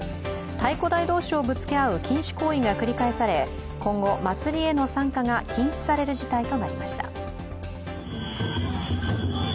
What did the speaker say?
太鼓台同士をぶつけ合う禁止行為が繰り返され今後、祭りへの参加が禁止される事態となりました。